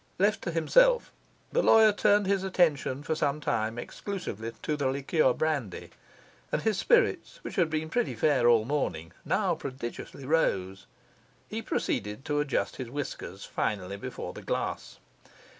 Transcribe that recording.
Left to himself, the lawyer turned his attention for some time exclusively to the liqueur brandy, and his spirits, which had been pretty fair all morning, now prodigiously rose. He proceeded to adjust his whiskers finally before the glass.